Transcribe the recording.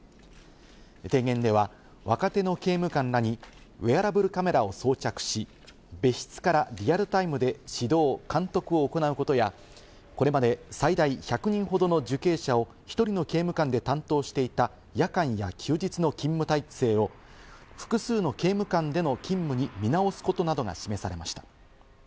提言では若手の刑務官らにウェアラブルカメラを装着し、別室からリアルタイムで指導・監督を行うことやこれまで最大１００人ほどの受刑者を１人の刑務官で担当していた夜間や休日の勤務体制を複数の刑務官での勤務に見直すことなどが示されました。